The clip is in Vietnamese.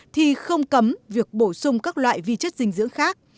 thì không cấm việc bổ sung các loại vi chất dinh dưỡng khác